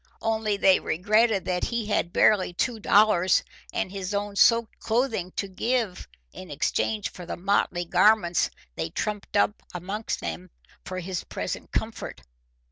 Only they regretted that he had barely two dollars and his own soaked clothing to give in exchange for the motley garments they trumped up among them for his present comfort.